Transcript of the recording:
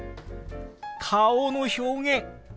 顔の表現！